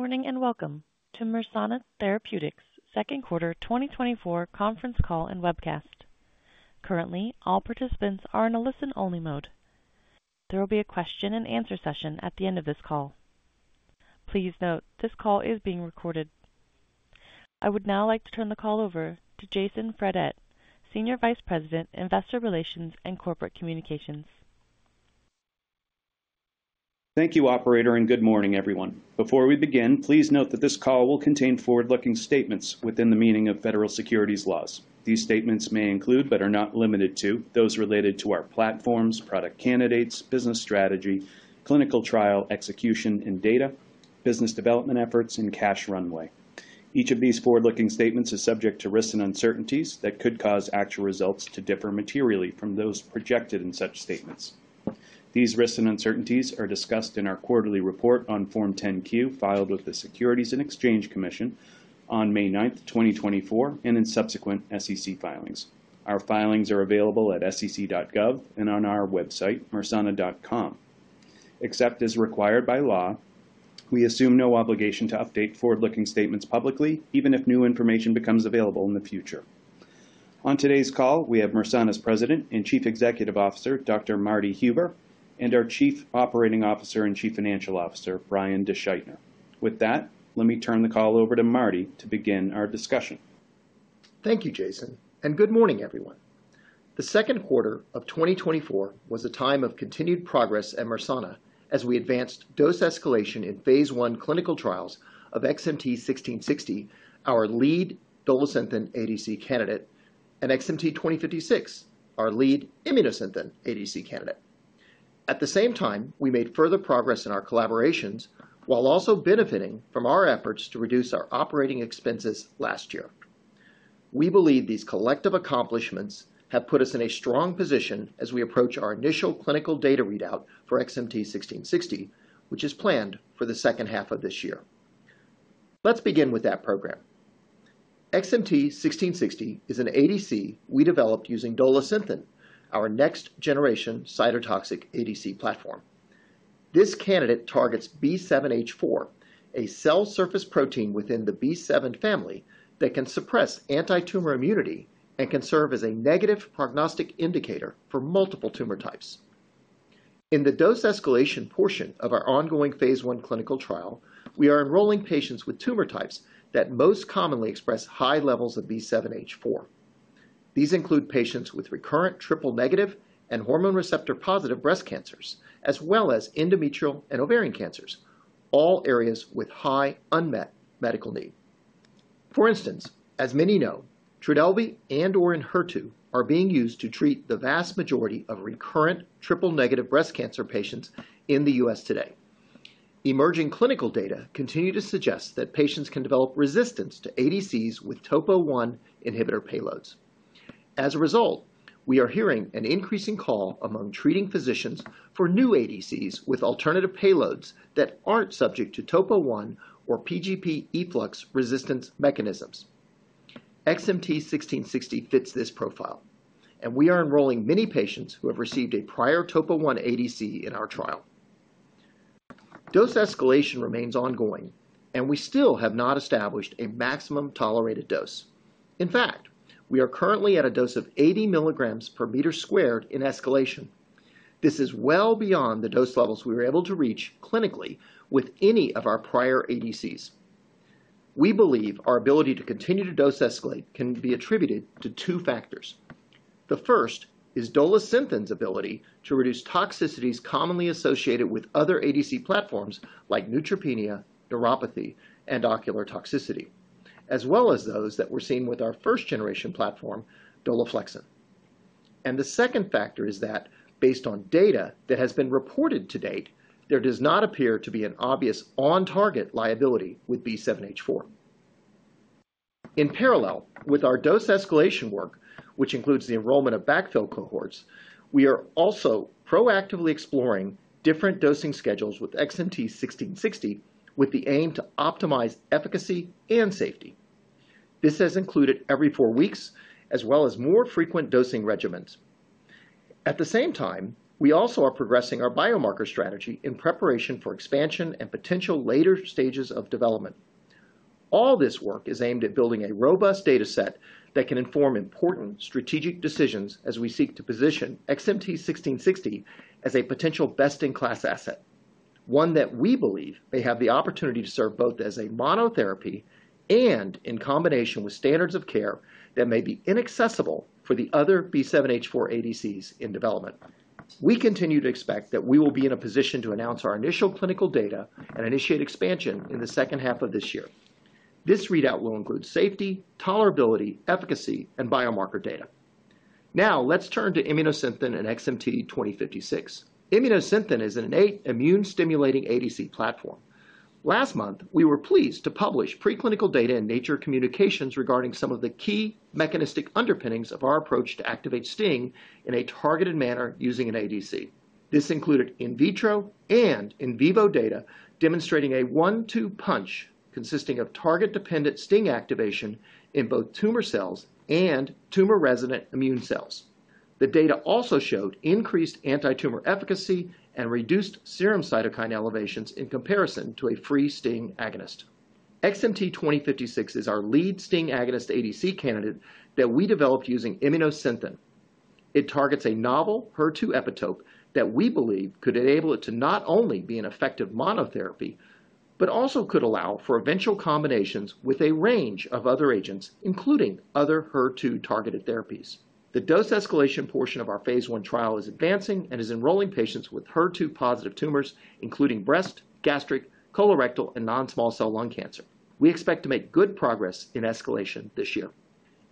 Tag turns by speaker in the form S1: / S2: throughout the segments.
S1: Good morning, and welcome to Mersana Therapeutics' second quarter 2024 conference call and webcast. Currently, all participants are in a listen-only mode. There will be a question and answer session at the end of this call. Please note, this call is being recorded. I would now like to turn the call over to Jason Fredette, Senior Vice President, Investor Relations and Corporate Communications.
S2: Thank you, operator, and good morning, everyone. Before we begin, please note that this call will contain forward-looking statements within the meaning of federal securities laws. These statements may include, but are not limited to, those related to our platforms, product candidates, business strategy, clinical trial, execution and data, business development efforts, and cash runway. Each of these forward-looking statements is subject to risks and uncertainties that could cause actual results to differ materially from those projected in such statements. These risks and uncertainties are discussed in our quarterly report on Form 10-Q, filed with the Securities and Exchange Commission on May 9, 2024, and in subsequent SEC filings. Our filings are available at sec.gov and on our website, mersana.com. Except as required by law, we assume no obligation to update forward-looking statements publicly, even if new information becomes available in the future. On today's call, we have Mersana's President and Chief Executive Officer, Dr. Martin Huber, and our Chief Operating Officer and Chief Financial Officer, Brian DeSchuytner. With that, let me turn the call over to Marty to begin our discussion.
S3: Thank you, Jason, and good morning, everyone. The second quarter of 2024 was a time of continued progress at Mersana as we advanced dose escalation in phase I clinical trials of XMT-1660, our lead Dolasynthen ADC candidate, and XMT-2056, our lead Immunosynthen ADC candidate. At the same time, we made further progress in our collaborations while also benefiting from our efforts to reduce our operating expenses last year. We believe these collective accomplishments have put us in a strong position as we approach our initial clinical data readout for XMT-1660, which is planned for the second half of this year. Let's begin with that program. XMT-1660 is an ADC we developed using Dolasynthen, our next-generation cytotoxic ADC platform. This candidate targets B7-H4, a cell surface protein within the B7 family that can suppress antitumor immunity and can serve as a negative prognostic indicator for multiple tumor types. In the dose escalation portion of our ongoing phase I clinical trial, we are enrolling patients with tumor types that most commonly express high levels of B7-H4. These include patients with recurrent triple-negative and hormone receptor-positive breast cancers, as well as endometrial and ovarian cancers, all areas with high unmet medical need. For instance, as many know, Trodelvy and/or Enhertu are being used to treat the vast majority of recurrent triple-negative breast cancer patients in the U.S. today. Emerging clinical data continue to suggest that patients can develop resistance to ADCs with topo-1 inhibitor payloads. As a result, we are hearing an increasing call among treating physicians for new ADCs with alternative payloads that aren't subject to topo-1 or P-gp efflux resistance mechanisms. XMT-1660 fits this profile, and we are enrolling many patients who have received a prior topo-1 ADC in our trial. Dose escalation remains ongoing, and we still have not established a maximum tolerated dose. In fact, we are currently at a dose of 80 milligrams per meter squared in escalation. This is well beyond the dose levels we were able to reach clinically with any of our prior ADCs. We believe our ability to continue to dose escalate can be attributed to two factors. The first is Dolasynthen's ability to reduce toxicities commonly associated with other ADC platforms like neutropenia, neuropathy, and ocular toxicity, as well as those that we're seeing with our first-generation platform, Dolaflexin. The second factor is that based on data that has been reported to date, there does not appear to be an obvious on-target liability with B7-H4. In parallel with our dose escalation work, which includes the enrollment of backfill cohorts, we are also proactively exploring different dosing schedules with XMT-1660, with the aim to optimize efficacy and safety. This has included every four weeks, as well as more frequent dosing regimens. At the same time, we also are progressing our biomarker strategy in preparation for expansion and potential later stages of development. All this work is aimed at building a robust data set that can inform important strategic decisions as we seek to position XMT-1660 as a potential best-in-class asset, one that we believe may have the opportunity to serve both as a monotherapy and in combination with standards of care that may be inaccessible for the other B7-H4 ADCs in development. We continue to expect that we will be in a position to announce our initial clinical data and initiate expansion in the second half of this year. This readout will include safety, tolerability, efficacy, and biomarker data. Now, let's turn to Immunosynthen and XMT-2056. Immunosynthen is an innate immune-stimulating ADC platform. Last month, we were pleased to publish preclinical data in Nature Communications regarding some of the key mechanistic underpinnings of our approach to activate STING in a targeted manner using an ADC. This included in vitro and in vivo data, demonstrating a one-two punch consisting of target-dependent STING activation in both tumor cells and tumor-resident immune cells. ... The data also showed increased anti-tumor efficacy and reduced serum cytokine elevations in comparison to a free STING agonist. XMT-2056 is our lead STING agonist ADC candidate that we developed using Immunosynthen. It targets a novel HER2 epitope that we believe could enable it to not only be an effective monotherapy, but also could allow for eventual combinations with a range of other agents, including other HER2-targeted therapies. The dose escalation portion of our phase I trial is advancing and is enrolling patients with HER2-positive tumors, including breast, gastric, colorectal, and non-small cell lung cancer. We expect to make good progress in escalation this year.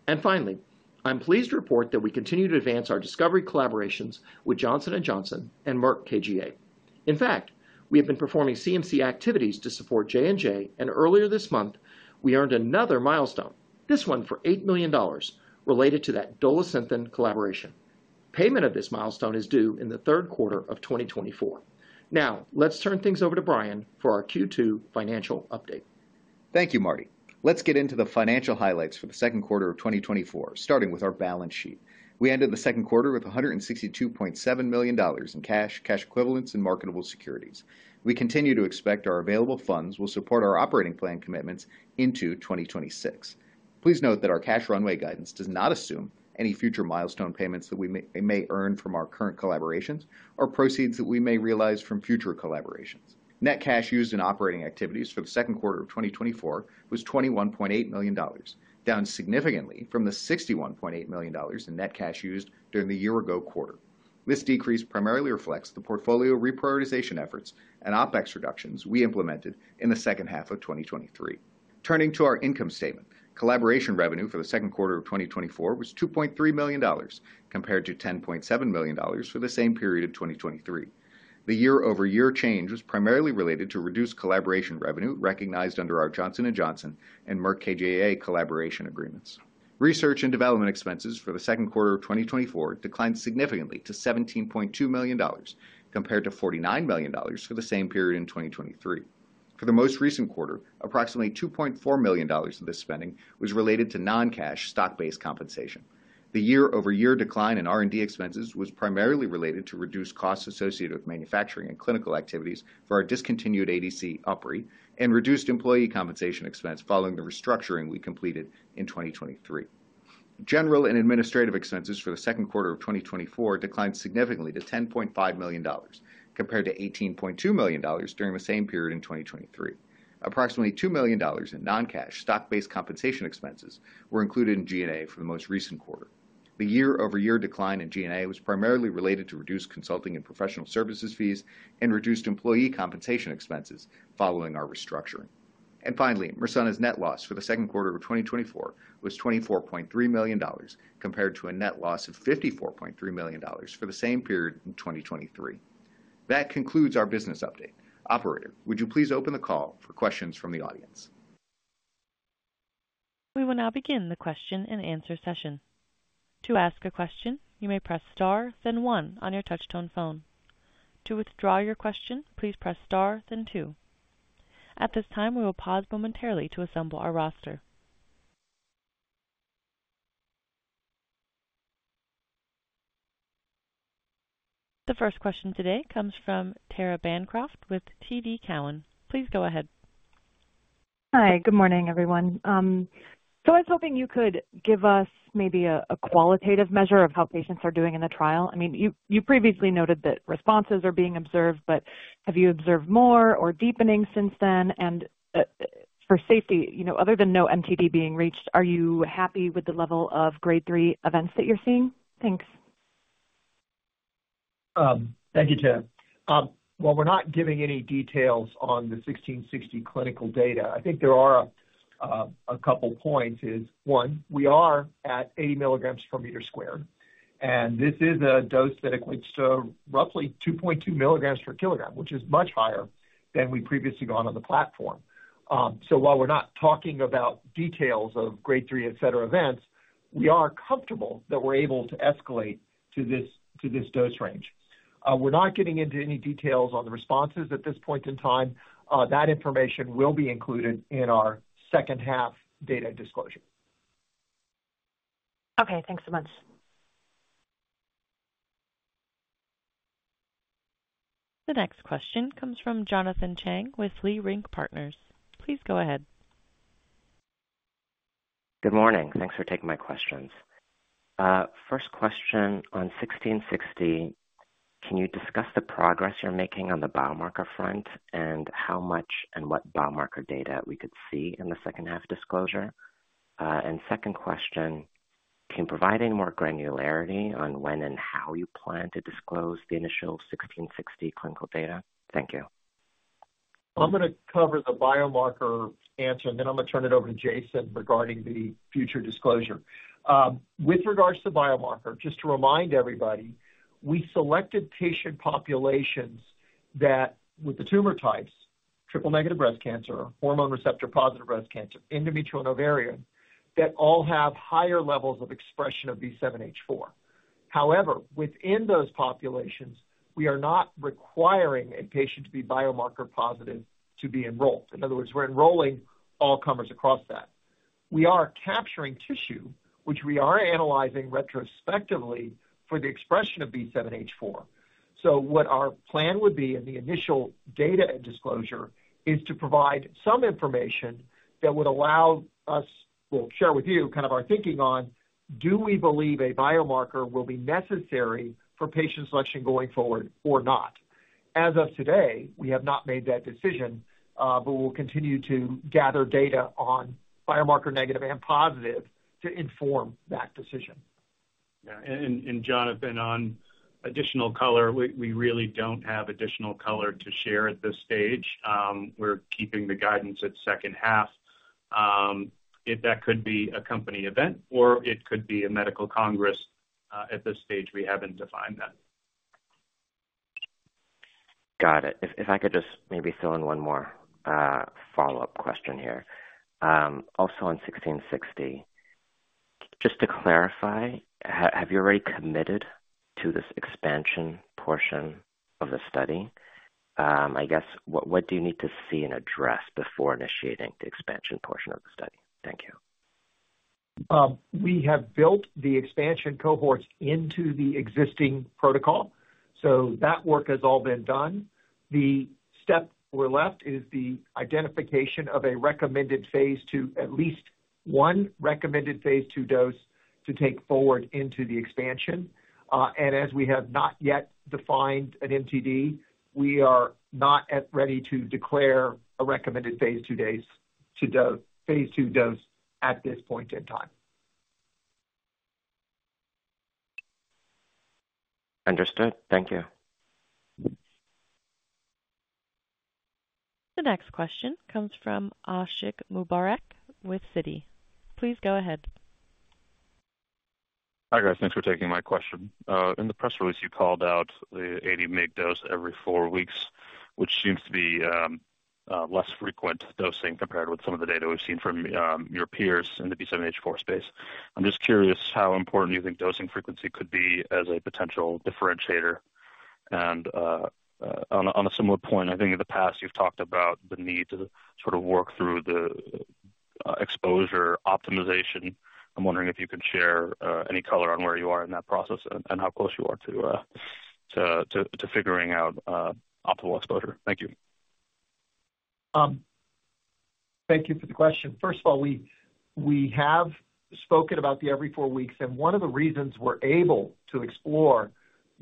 S3: And finally, I'm pleased to report that we continue to advance our discovery collaborations with Johnson & Johnson and Merck KGaA. In fact, we have been performing CMC activities to support J&J, and earlier this month, we earned another milestone, this one for $8 million, related to that Dolasynthen collaboration. Payment of this milestone is due in the third quarter of 2024. Now, let's turn things over to Brian for our Q2 financial update.
S4: Thank you, Marty. Let's get into the financial highlights for the second quarter of 2024, starting with our balance sheet. We ended the second quarter with $162.7 million in cash, cash equivalents, and marketable securities. We continue to expect our available funds will support our operating plan commitments into 2026. Please note that our cash runway guidance does not assume any future milestone payments that we may earn from our current collaborations or proceeds that we may realize from future collaborations. Net cash used in operating activities for the second quarter of 2024 was $21.8 million, down significantly from the $61.8 million in net cash used during the year-ago quarter. This decrease primarily reflects the portfolio reprioritization efforts and OpEx reductions we implemented in the second half of 2023. Turning to our income statement. Collaboration revenue for the second quarter of 2024 was $2.3 million, compared to $10.7 million for the same period in 2023. The year-over-year change was primarily related to reduced collaboration revenue recognized under our Johnson & Johnson and Merck KGaA collaboration agreements. Research and development expenses for the second quarter of 2024 declined significantly to $17.2 million, compared to $49 million for the same period in 2023. For the most recent quarter, approximately $2.4 million of this spending was related to non-cash stock-based compensation. The year-over-year decline in R&D expenses was primarily related to reduced costs associated with manufacturing and clinical activities for our discontinued ADC, UpRi, and reduced employee compensation expense following the restructuring we completed in 2023. General and administrative expenses for the second quarter of 2024 declined significantly to $10.5 million, compared to $18.2 million during the same period in 2023. Approximately $2 million in non-cash stock-based compensation expenses were included in G&A for the most recent quarter. The year-over-year decline in G&A was primarily related to reduced consulting and professional services fees and reduced employee compensation expenses following our restructuring. And finally, Mersana's net loss for the second quarter of 2024 was $24.3 million, compared to a net loss of $54.3 million for the same period in 2023. That concludes our business update. Operator, would you please open the call for questions from the audience?
S1: We will now begin the question-and-answer session. To ask a question, you may press star, then one on your touchtone phone. To withdraw your question, please press star, then two. At this time, we will pause momentarily to assemble our roster. The first question today comes from Tara Bancroft with TD Cowen. Please go ahead.
S5: Hi, good morning, everyone. So I was hoping you could give us maybe a qualitative measure of how patients are doing in the trial. I mean, you previously noted that responses are being observed, but have you observed more or deepening since then? And, for safety, you know, other than no MTD being reached, are you happy with the level of Grade Three events that you're seeing? Thanks.
S3: Thank you, Tara. While we're not giving any details on the 1660 clinical data, I think there are a couple points. One, we are at 80 milligrams per meter squared, and this is a dose that equates to roughly 2.2 milligrams per kilogram, which is much higher than we've previously gone on the platform. So while we're not talking about details of Grade 3, etc., events, we are comfortable that we're able to escalate to this, to this dose range. We're not getting into any details on the responses at this point in time. That information will be included in our second half data disclosure.
S5: Okay, thanks so much.
S1: The next question comes from Jonathan Chang with Leerink Partners. Please go ahead.
S6: Good morning. Thanks for taking my questions. First question, on 1660, can you discuss the progress you're making on the biomarker front, and how much and what biomarker data we could see in the second half disclosure? Second question, can you provide any more granularity on when and how you plan to disclose the initial 1660 clinical data? Thank you.
S3: I'm gonna cover the biomarker answer, and then I'm going to turn it over to Jason regarding the future disclosure. With regards to the biomarker, just to remind everybody, we selected patient populations that, with the tumor types, triple-negative breast cancer, hormone receptor-positive breast cancer, endometrial and ovarian, that all have higher levels of expression of B7-H4. However, within those populations, we are not requiring a patient to be biomarker positive to be enrolled. In other words, we're enrolling all comers across that... we are capturing tissue, which we are analyzing retrospectively for the expression of B7-H4. So what our plan would be in the initial data and disclosure is to provide some information that would allow us- we'll share with you kind of our thinking on, do we believe a biomarker will be necessary for patient selection going forward or not? As of today, we have not made that decision, but we'll continue to gather data on biomarker negative and positive to inform that decision.
S2: Yeah. And, Jonathan, on additional color, we really don't have additional color to share at this stage. We're keeping the guidance at second half. If that could be a company event, or it could be a medical congress, at this stage, we haven't defined that.
S6: Got it. If I could just maybe fill in one more follow-up question here. Also on 1660, just to clarify, have you already committed to this expansion portion of the study? I guess, what do you need to see and address before initiating the expansion portion of the study? Thank you.
S3: We have built the expansion cohorts into the existing protocol, so that work has all been done. The step we're left is the identification of a recommended phase II, at least one recommended phase II dose to take forward into the expansion. And as we have not yet defined an MTD, we are not yet ready to declare a recommended phase II dose at this point in time.
S6: Understood. Thank you.
S1: The next question comes from Ashiq Mubarack with Citi. Please go ahead.
S7: Hi, guys. Thanks for taking my question. In the press release, you called out the 80 mg dose every four weeks, which seems to be less frequent dosing compared with some of the data we've seen from your peers in the B7-H4 space. I'm just curious how important you think dosing frequency could be as a potential differentiator? And on a similar point, I think in the past, you've talked about the need to sort of work through the exposure optimization. I'm wondering if you could share any color on where you are in that process and how close you are to figuring out optimal exposure. Thank you.
S3: Thank you for the question. First of all, we have spoken about the every four weeks, and one of the reasons we're able to explore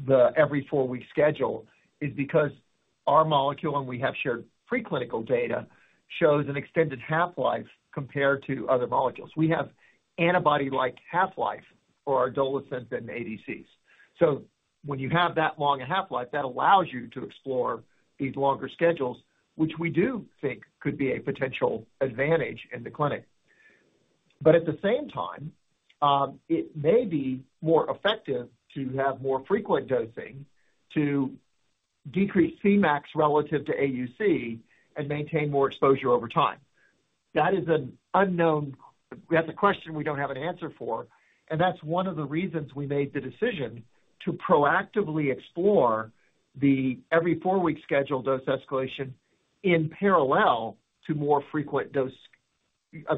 S3: the every four week schedule is because our molecule, and we have shared preclinical data, shows an extended half-life compared to other molecules. We have antibody-like half-life for our Dolasynthen ADCs. So when you have that long a half-life, that allows you to explore these longer schedules, which we do think could be a potential advantage in the clinic. But at the same time, it may be more effective to have more frequent dosing to decrease Cmax relative to AUC and maintain more exposure over time. That is an unknown... That's a question we don't have an answer for, and that's one of the reasons we made the decision to proactively explore the every four-week schedule dose escalation in parallel to more frequent dose,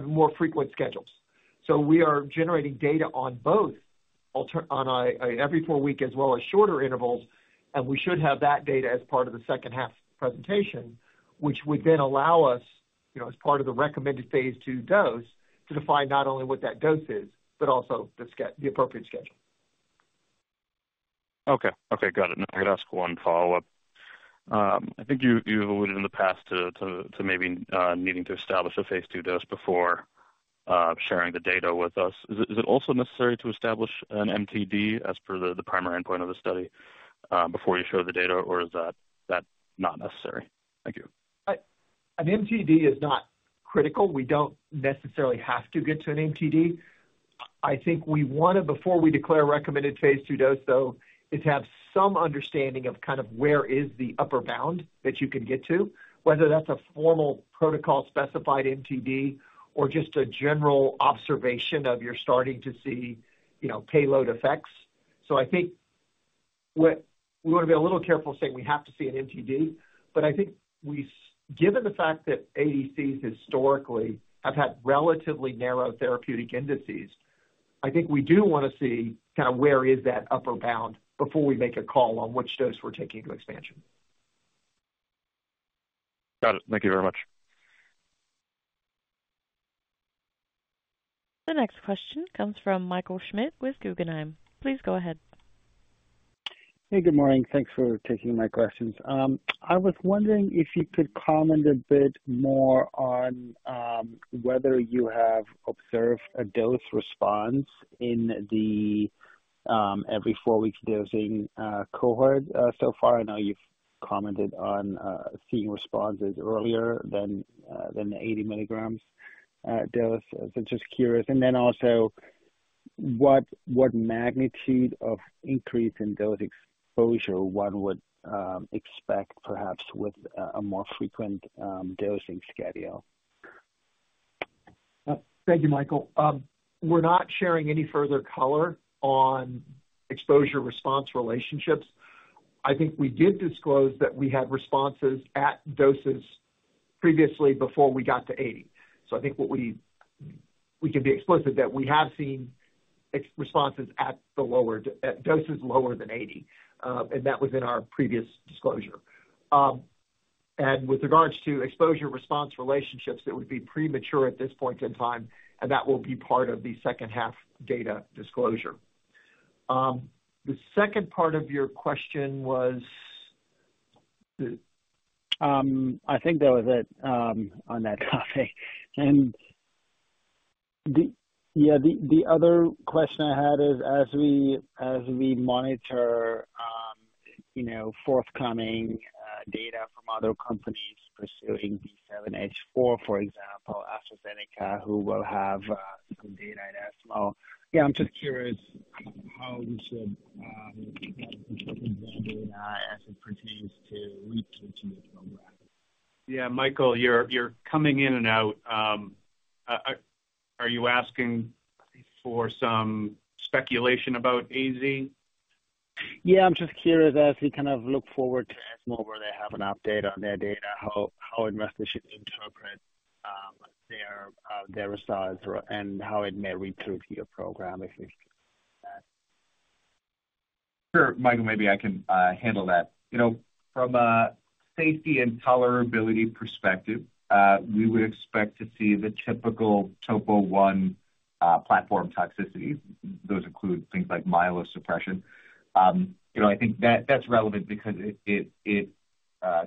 S3: more frequent schedules. So we are generating data on both on a every four week as well as shorter intervals, and we should have that data as part of the second half presentation, which would then allow us, you know, as part of the recommended phase II dose, to define not only what that dose is, but also the appropriate schedule.
S7: Okay. Okay, got it. I'm gonna ask one follow-up. I think you alluded in the past to maybe needing to establish a phase II dose before sharing the data with us. Is it also necessary to establish an MTD as per the primary endpoint of the study before you show the data, or is that not necessary? Thank you.
S3: An MTD is not critical. We don't necessarily have to get to an MTD. I think we want to, before we declare a recommended phase II dose, though, is to have some understanding of kind of where is the upper bound that you can get to, whether that's a formal protocol-specified MTD or just a general observation of you're starting to see, you know, payload effects. So I think what... We want to be a little careful saying we have to see an MTD, but I think we, given the fact that ADCs historically have had relatively narrow therapeutic indices, I think we do want to see kind of where is that upper bound before we make a call on which dose we're taking to expansion.
S7: Got it. Thank you very much.
S1: The next question comes from Michael Schmidt with Guggenheim. Please go ahead.
S8: Hey, good morning. Thanks for taking my questions. I was wondering if you could comment a bit more on whether you have observed a dose response in the every four weeks dosing cohort so far. I know you've commented on seeing responses earlier than than 80 milligrams dose. So just curious. And then also, what magnitude of increase in dose exposure one would expect perhaps with a more frequent dosing schedule?
S3: Thank you, Michael. We're not sharing any further color on exposure-response relationships. I think we did disclose that we had responses at doses previously before we got to 80. So I think we can be explicit that we have seen responses at the lower, at doses lower than 80, and that was in our previous disclosure. And with regards to exposure-response relationships, that would be premature at this point in time, and that will be part of the second half data disclosure. The second part of your question was?
S8: I think that was it, on that topic. And yeah, the other question I had is as we monitor, you know, forthcoming data from other companies pursuing B7-H4, for example, AstraZeneca, who will have some data in ESMO. Yeah, I'm just curious how you should, as it pertains to read through to this program.
S3: Yeah, Michael, you're coming in and out. Are you asking for some speculation about AZ?
S8: Yeah, I'm just curious as we kind of look forward to ESMO, where they have an update on their data, how investors should interpret their results and how it may read through to your program, if you can.
S3: Sure, Michael, maybe I can handle that. You know, from a safety and tolerability perspective, we would expect to see the typical topo-1 platform toxicity. Those include things like myelosuppression. You know, I think that's relevant because it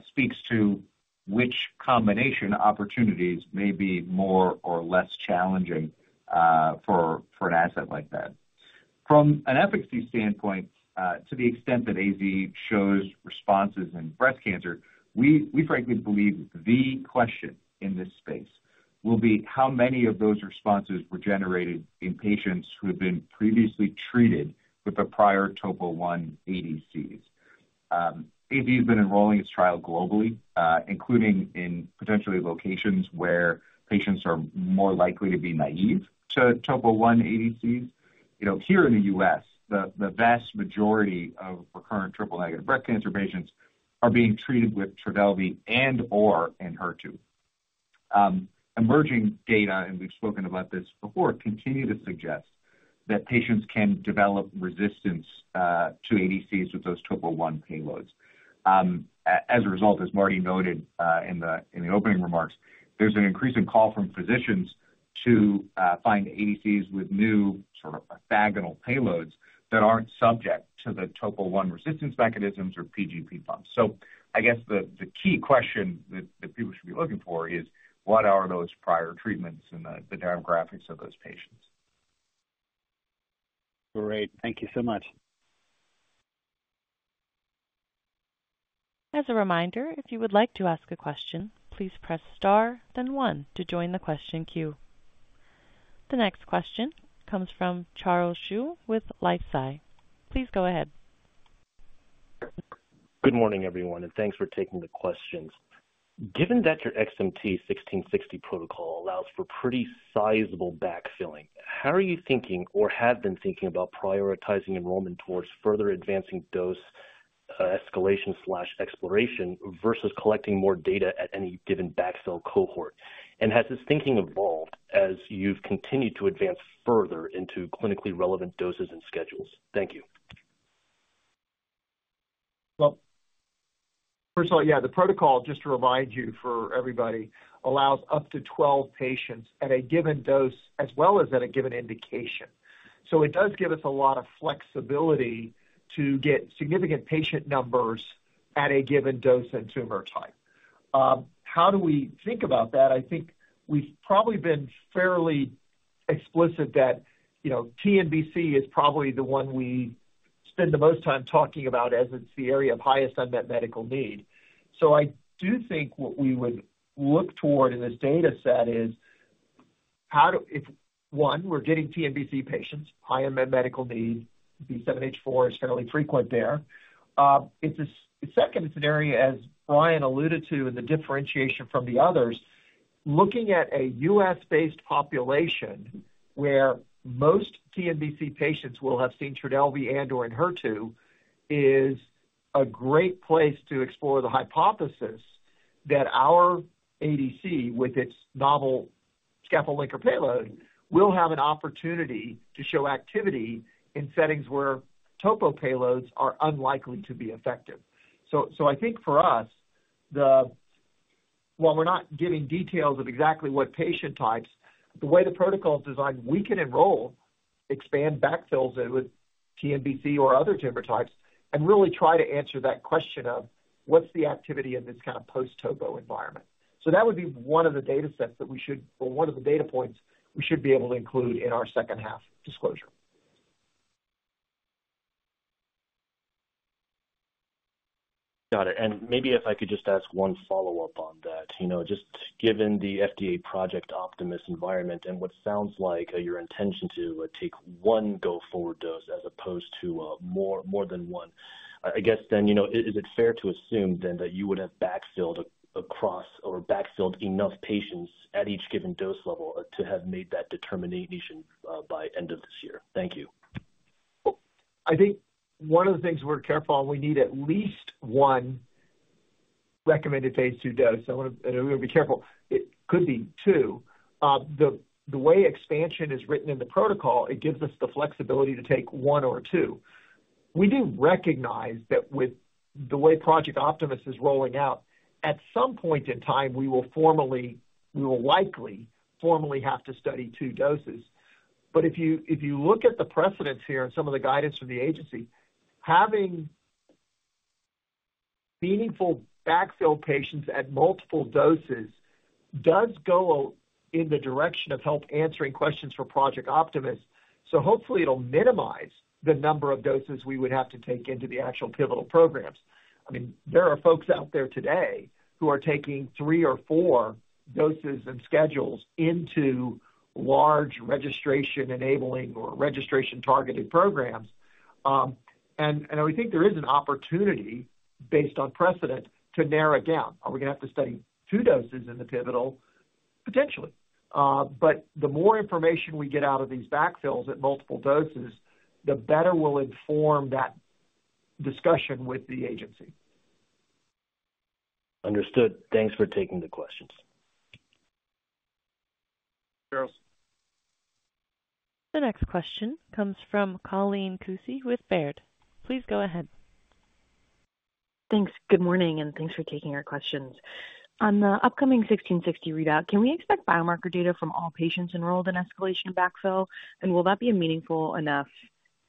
S3: speaks to which combination opportunities may be more or less challenging for an asset like that. From an efficacy standpoint, to the extent that AZ shows responses in breast cancer, we frankly believe the question in this space will be how many of those responses were generated in patients who have been previously treated with the prior topo-1 ADCs? AZ has been enrolling its trial globally, including in potentially locations where patients are more likely to be naive to topo-1 ADCs. You know, here in the U.S., the vast majority of recurrent triple-negative breast cancer patients are being treated with Trodelvy and/or Enhertu. Emerging data, and we've spoken about this before, continue to suggest that patients can develop resistance to ADCs with those topo-1 payloads. As a result, as Marty noted, in the opening remarks, there's an increasing call from physicians to find ADCs with new sort of orthogonal payloads that aren't subject to the topo-1 resistance mechanisms or PGP pumps. So I guess the key question that people should be looking for is, what are those prior treatments and the demographics of those patients?
S8: Great. Thank you so much.
S1: As a reminder, if you would like to ask a question, please press star, then one to join the question queue. The next question comes from Charles Zhu with LifeSci. Please go ahead.
S9: Good morning, everyone, and thanks for taking the questions. Given that your XMT-1660 protocol allows for pretty sizable backfilling, how are you thinking or have been thinking about prioritizing enrollment towards further advancing dose escalation/exploration versus collecting more data at any given backfill cohort? And has this thinking evolved as you've continued to advance further into clinically relevant doses and schedules? Thank you.
S3: Well, first of all, yeah, the protocol, just to remind you for everybody, allows up to 12 patients at a given dose as well as at a given indication. So it does give us a lot of flexibility to get significant patient numbers at a given dose and tumor type. How do we think about that? I think we've probably been fairly explicit that, you know, TNBC is probably the one we spend the most time talking about, as it's the area of highest unmet medical need. So I do think what we would look toward in this data set is, how do... If, one, we're getting TNBC patients, high unmet medical need, B7-H4 is fairly frequent there. It's an area, as Brian alluded to in the differentiation from the others, looking at a US-based population where most TNBC patients will have seen Trodelvy and/or Enhertu, is a great place to explore the hypothesis that our ADC, with its novel scaffold linker payload, will have an opportunity to show activity in settings where topo payloads are unlikely to be effective. So, I think for us, while we're not giving details of exactly what patient types, the way the protocol is designed, we can enroll, expand backfills with TNBC or other tumor types, and really try to answer that question of: what's the activity in this kind of post-topo environment? So that would be one of the data sets that we should, or one of the data points we should be able to include in our second-half disclosure.
S9: Got it. Maybe if I could just ask one follow-up on that. You know, just given the FDA Project Optimist environment and what sounds like your intention to take one go-forward dose as opposed to more than one, I guess then, you know, is it fair to assume then that you would have backfilled across or backfilled enough patients at each given dose level to have made that determination by end of this year? Thank you.
S3: I think one of the things we're careful on, we need at least one recommended phase II dose. I want to, and we're going to be careful, it could be two. The way expansion is written in the protocol, it gives us the flexibility to take one or two. We do recognize that with the way Project Optimist is rolling out, at some point in time, we will likely formally have to study two doses. But if you look at the precedents here and some of the guidance from the agency, having meaningful backfill patients at multiple doses does go in the direction of help answering questions for Project Optimist. So hopefully it'll minimize the number of doses we would have to take into the actual pivotal programs. I mean, there are folks out there today who are taking three or four doses and schedules into large registration-enabling or registration-targeted programs. We think there is an opportunity, based on precedent, to narrow it down. Are we going to have to study two doses in the pivotal? Potentially. But the more information we get out of these backfills at multiple doses, the better we'll inform that discussion with the agency.
S9: Understood. Thanks for taking the questions.
S3: Sure.
S1: The next question comes from Colleen Kusy with Baird. Please go ahead.
S10: Thanks. Good morning, and thanks for taking our questions. On the upcoming 1660 readout, can we expect biomarker data from all patients enrolled in escalation backfill? And will that be a meaningful enough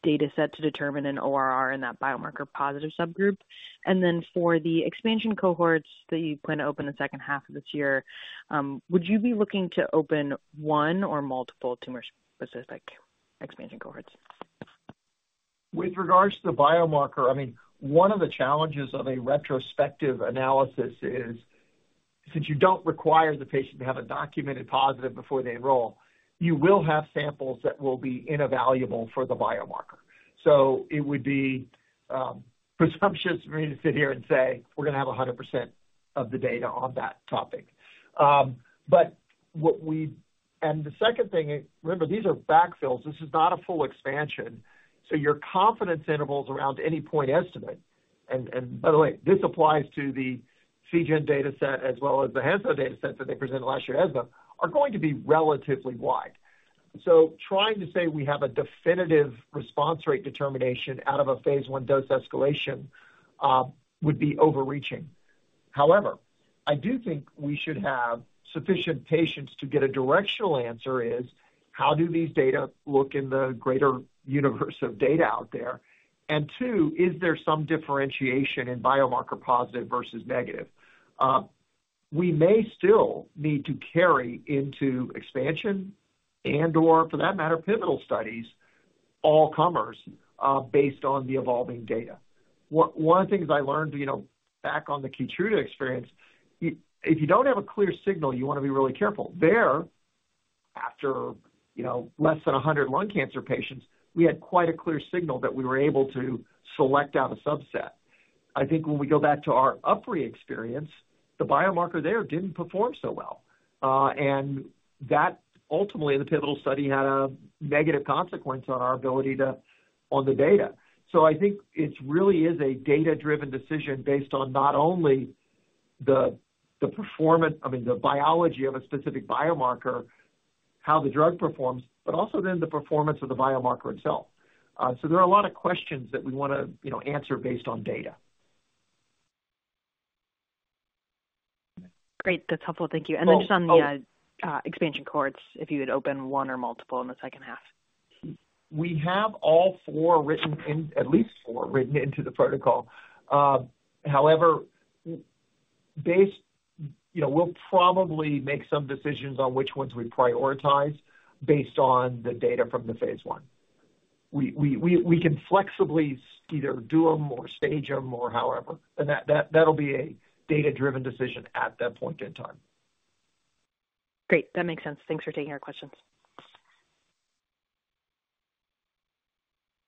S10: data set to determine an ORR in that biomarker positive subgroup? And then for the expansion cohorts that you plan to open in the second half of this year, would you be looking to open one or multiple tumor-specific expansion cohorts?
S3: With regards to the biomarker, I mean, one of the challenges of a retrospective analysis is, since you don't require the patient to have a documented positive before they enroll, you will have samples that will be invaluable for the biomarker. So it would be presumptuous for me to sit here and say, "We're going to have 100% of the data on that topic." And the second thing, remember, these are backfills. This is not a full expansion, so your confidence intervals around any point estimate, and by the way, this applies to the Seagen dataset as well as the Hansoh dataset that they presented last year at ESMO, are going to be relatively wide. So trying to say we have a definitive response rate determination out of a phase I dose escalation would be overreaching. However, I do think we should have sufficient patients to get a directional answer is: how do these data look in the greater universe of data out there? And two, is there some differentiation in biomarker positive versus negative? We may still need to carry into expansion and/or, for that matter, pivotal studies, all comers, based on the evolving data. One of the things I learned, you know, back on the Keytruda experience, if you don't have a clear signal, you want to be really careful. After, you know, less than 100 lung cancer patients, we had quite a clear signal that we were able to select out a subset. I think when we go back to our UpRi experience, the biomarker there didn't perform so well, and that ultimately, in the pivotal study, had a negative consequence on our ability to... On the data. So I think it's really is a data-driven decision based on not only the performance, I mean, the biology of a specific biomarker, how the drug performs, but also then the performance of the biomarker itself. So there are a lot of questions that we want to, you know, answer based on data.
S10: Great. That's helpful. Thank you.
S3: Well, oh-
S10: Just on the expansion cohorts, if you would open one or multiple in the second half?
S3: We have all four written in, at least four, written into the protocol. However, based, you know, we'll probably make some decisions on which ones we prioritize based on the data from the phase I. We can flexibly either do them or stage them or however, and that, that'll be a data-driven decision at that point in time.
S10: Great. That makes sense. Thanks for taking our questions.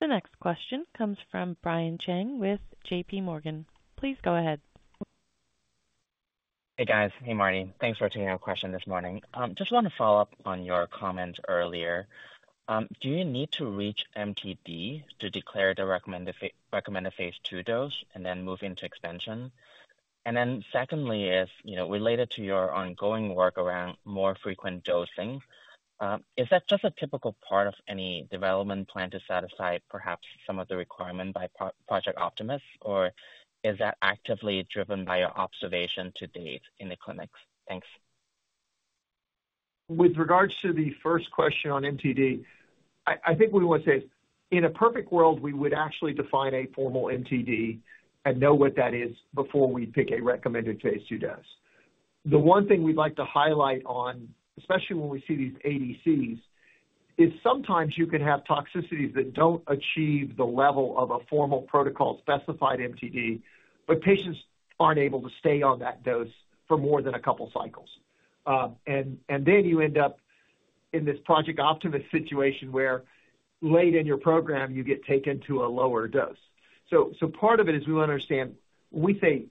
S1: The next question comes from Brian Cheng with JPMorgan. Please go ahead.
S11: Hey, guys. Hey, Marty. Thanks for taking our question this morning. Just want to follow up on your comment earlier. Do you need to reach MTD to declare the recommended phase II dose and then move into expansion? And then secondly, if, you know, related to your ongoing work around more frequent dosing, is that just a typical part of any development plan to satisfy perhaps some of the requirement by Project Optimist, or is that actively driven by your observation to date in the clinics? Thanks.
S3: With regards to the first question on MTD, I think what we want to say is, in a perfect world, we would actually define a formal MTD and know what that is before we pick a recommended phase II dose. The one thing we'd like to highlight on, especially when we see these ADCs, is sometimes you can have toxicities that don't achieve the level of a formal protocol-specified MTD, but patients aren't able to stay on that dose for more than a couple cycles. And then you end up in this Project Optimist situation, where late in your program, you get taken to a lower dose. So, part of it is we understand, we say,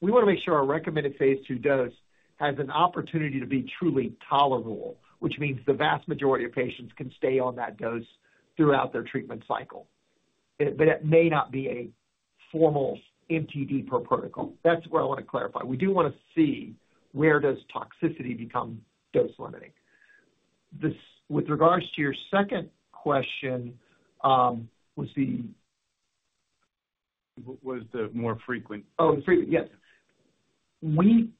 S3: we want to make sure our recommended phase II dose has an opportunity to be truly tolerable, which means the vast majority of patients can stay on that dose throughout their treatment cycle. But it may not be a formal MTD per protocol. That's what I wanna clarify. We do wanna see where does toxicity become dose-limiting? With regards to your second question, was the-
S2: Was the more frequent.
S3: Oh, frequent. Yes. We.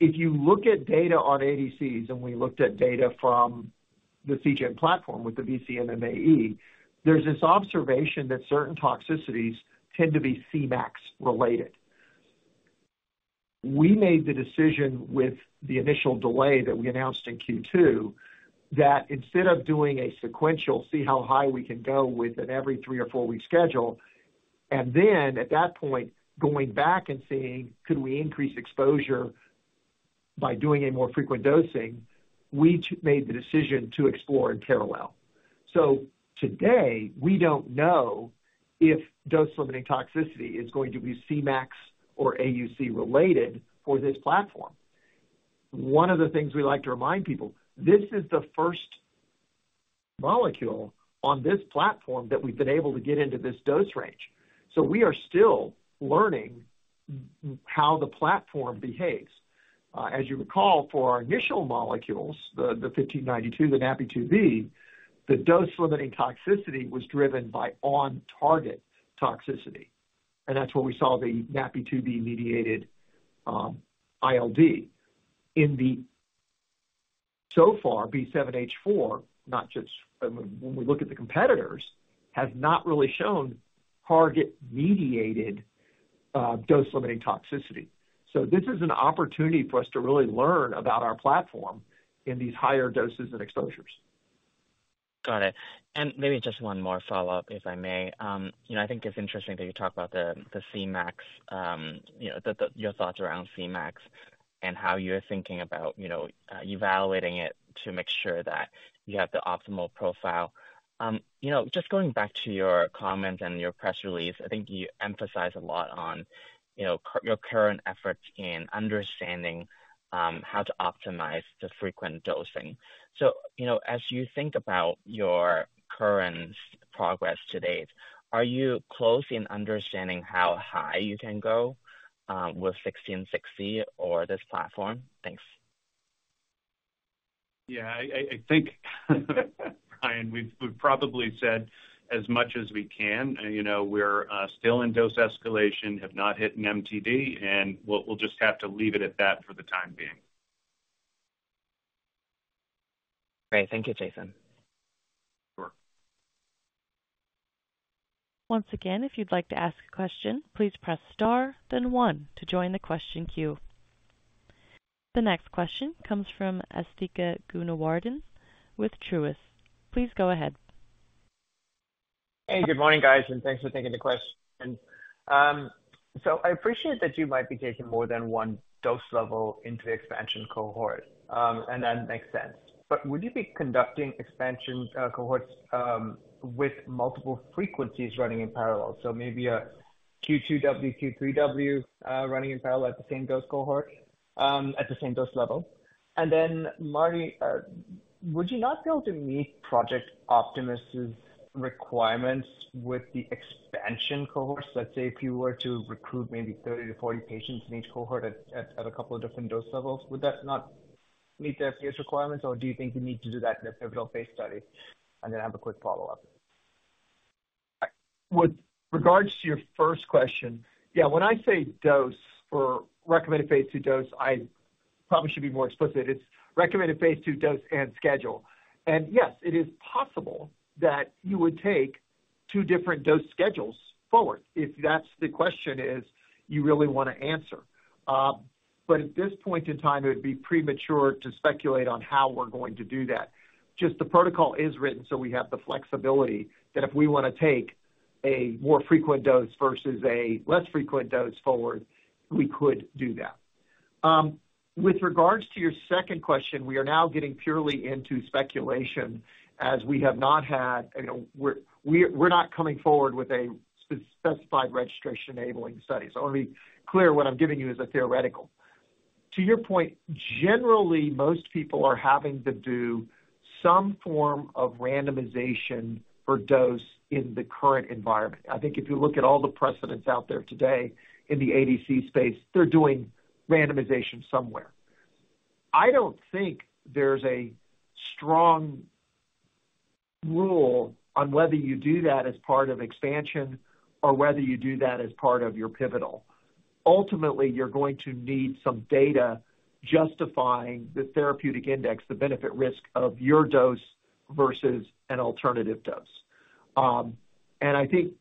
S3: If you look at data on ADCs, and we looked at data from the Seagen platform with the VCMMAE, there's this observation that certain toxicities tend to be Cmax related. We made the decision with the initial delay that we announced in Q2, that instead of doing a sequential, see how high we can go with an every three- or four-week schedule, and then at that point, going back and seeing could we increase exposure by doing a more frequent dosing, we made the decision to explore in parallel. So today, we don't know if dose-limiting toxicity is going to be Cmax or AUC related for this platform. One of the things we like to remind people, this is the first molecule on this platform that we've been able to get into this dose range. So we are still learning how the platform behaves. As you recall, for our initial molecules, the 1592, the NaPi2b, the dose-limiting toxicity was driven by on-target toxicity, and that's where we saw the NaPi2b-mediated ILD. In the B7-H4 so far, not just, I mean, when we look at the competitors, has not really shown target-mediated dose-limiting toxicity. So this is an opportunity for us to really learn about our platform in these higher doses and exposures.
S11: Got it. Maybe just one more follow-up, if I may. You know, I think it's interesting that you talk about the Cmax, you know, your thoughts around Cmax and how you're thinking about, you know, evaluating it to make sure that you have the optimal profile. You know, just going back to your comments and your press release, I think you emphasize a lot on, you know, your current efforts in understanding, how to optimize the frequent dosing. So, you know, as you think about your current progress to date, are you close in understanding how high you can go, with 1660 or this platform? Thanks.
S2: Yeah, I think, Brian, we've probably said as much as we can. You know, we're still in dose escalation, have not hit an MTD, and we'll just have to leave it at that for the time being.
S11: Great. Thank you, Jason.
S2: Sure.
S1: Once again, if you'd like to ask a question, please press Star, then one to join the question queue. The next question comes from Asthika Goonewardene with Truist. Please go ahead.
S12: Hey, good morning, guys, and thanks for taking the question. So I appreciate that you might be taking more than one dose level into the expansion cohort, and that makes sense. But would you be conducting expansion cohorts with multiple frequencies running in parallel? So maybe a Q2W, Q3W, running in parallel at the same dose cohort, at the same dose level. And then, Marty, would you not be able to meet Project Optimist’s requirements with the expansion cohorts? Let's say, if you were to recruit maybe 30-40 patients in each cohort at a couple of different dose levels, would that not meet the FDA's requirements, or do you think you need to do that in a pivotal phase study? And then I have a quick follow-up.
S3: With regards to your first question, yeah, when I say dose for recommended phase II dose, I probably should be more explicit. It's recommended phase II dose and schedule. And yes, it is possible that you would take two different dose schedules forward, if that's the question is you really wanna answer. But at this point in time, it would be premature to speculate on how we're going to do that. Just the protocol is written, so we have the flexibility that if we wanna take a more frequent dose versus a less frequent dose forward, we could do that. With regards to your second question, we are now getting purely into speculation, as we have not had... You know, we're not coming forward with a specified registration enabling study. So I wanna be clear, what I'm giving you is a theoretical. To your point, generally, most people are having to do some form of randomization for dose in the current environment. I think if you look at all the precedents out there today in the ADC space, they're doing randomization somewhere. I don't think there's a strong rule on whether you do that as part of expansion or whether you do that as part of your pivotal. Ultimately, you're going to need some data justifying the therapeutic index, the benefit risk of your dose versus an alternative dose. And I think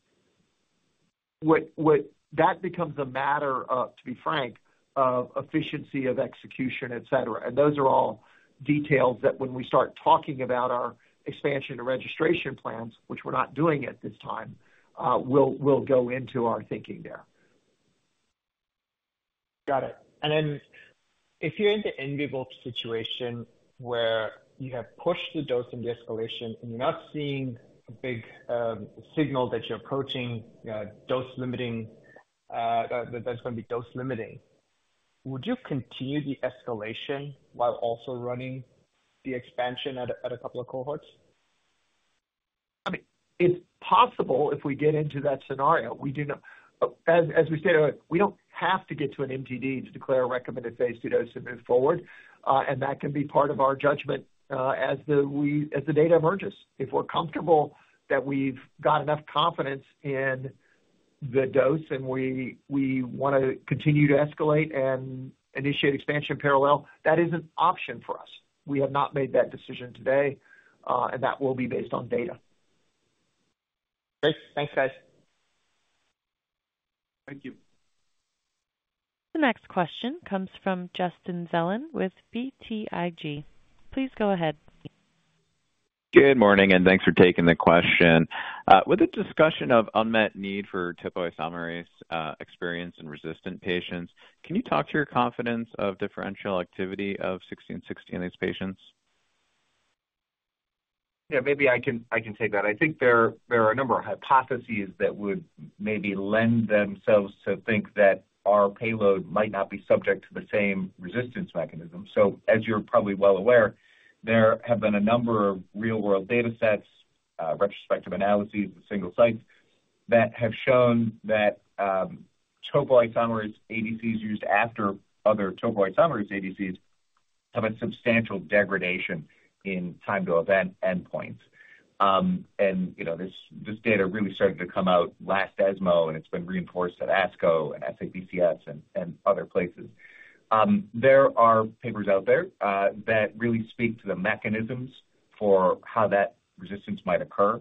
S3: that becomes a matter of, to be frank, of efficiency, of execution, et cetera. And those are all details that when we start talking about our expansion and registration plans, which we're not doing at this time, we'll go into our thinking there.
S12: Got it. And then if you're in the enviable situation where you have pushed the dose in the escalation and you're not seeing a big signal that you're approaching dose-limiting, that's gonna be dose-limiting... Would you continue the escalation while also running the expansion at a couple of cohorts?
S3: I mean, it's possible if we get into that scenario, we do not—As, as we said earlier, we don't have to get to an MTD to declare a recommended phase II dose and move forward. And that can be part of our judgment, as the data emerges. If we're comfortable that we've got enough confidence in the dose, and we wanna continue to escalate and initiate expansion parallel, that is an option for us. We have not made that decision today, and that will be based on data.
S12: Great. Thanks, guys.
S3: Thank you.
S1: The next question comes from Justin Zelin with BTIG. Please go ahead.
S13: Good morning, and thanks for taking the question. With a discussion of unmet need for topoisomerase experience in resistant patients, can you talk to your confidence of differential activity of 1660 in these patients?
S2: Yeah, maybe I can, I can take that. I think there, there are a number of hypotheses that would maybe lend themselves to think that our payload might not be subject to the same resistance mechanism. So as you're probably well aware, there have been a number of real-world data sets, retrospective analyses of single sites, that have shown that, topoisomerase ADCs used after other topoisomerase ADCs, have a substantial degradation in time to event endpoints. And, you know, this, this data really started to come out last ESMO, and it's been reinforced at ASCO and SABCS and, and other places. There are papers out there, that really speak to the mechanisms for how that resistance might occur.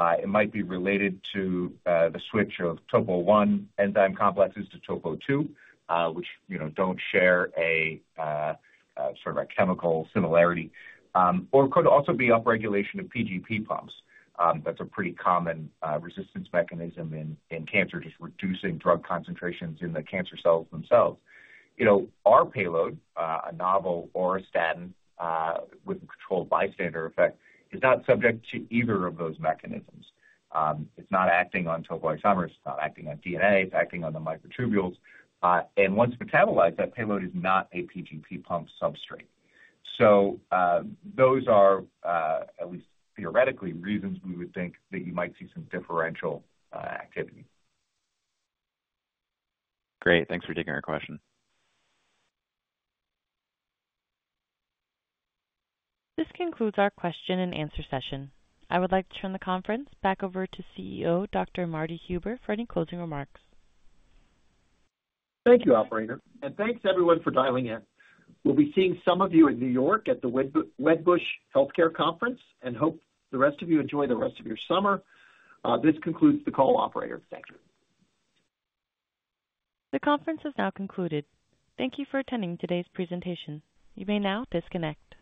S2: It might be related to the switch of topo-1 enzyme complexes to topo-2, which, you know, don't share a sort of a chemical similarity. Or it could also be upregulation of PGP pumps. That's a pretty common resistance mechanism in cancer, just reducing drug concentrations in the cancer cells themselves. You know, our payload, a novel auristatin, with a controlled bystander effect, is not subject to either of those mechanisms. It's not acting on topoisomerase, it's not acting on DNA, it's acting on the microtubules. And once metabolized, that payload is not a PGP pump substrate. So, those are, at least theoretically, reasons we would think that you might see some differential activity.
S13: Great. Thanks for taking our question.
S1: This concludes our question-and-answer session. I would like to turn the conference back over to CEO, Dr. Marty Huber, for any closing remarks.
S3: Thank you, operator, and thanks, everyone, for dialing in. We'll be seeing some of you in New York at the Wedbush Healthcare Conference, and hope the rest of you enjoy the rest of your summer. This concludes the call, operator. Thank you.
S1: The conference is now concluded. Thank you for attending today's presentation. You may now disconnect.